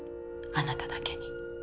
あなただけに。